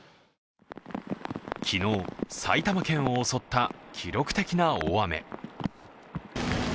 昨日、埼玉県を襲った記録的な大雨。